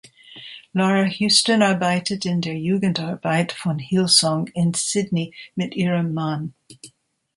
Laura Houston arbeitet in der Jugendarbeit von Hillsong in Sydney mit ihrem Mann.